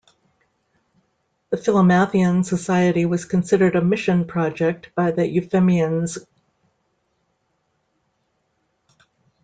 The Philomathean society was considered a "mission project" by the Euphemians.